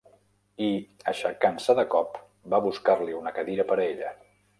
I, aixecant-se de cop, va buscar-li una cadira per a ella.